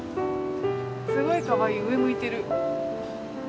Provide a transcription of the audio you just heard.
すごいかわいい上向いてる。